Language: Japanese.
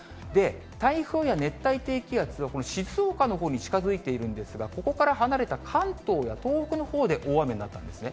台風や熱帯低気圧はこの静岡のほうに近づいているんですが、ここから離れた関東や東北のほうで大雨になったんですね。